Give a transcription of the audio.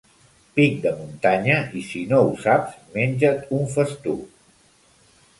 Pic de muntanya, i si no ho saps, menja't un festuc.